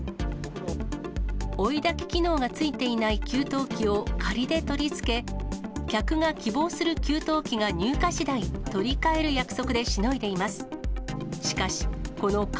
追い炊き機能がついていない給湯器を仮で取り付け、客が希望する給湯器が入荷しだい取り替える約束でしのいでいます。